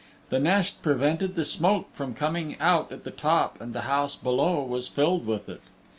The nest prevented the smoke from coming out at the top and the house below was filled with it.